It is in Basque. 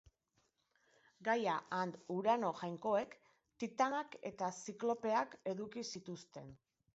Gaia and Urano jainkoek Titanak eta Ziklopeak eduki zituzten.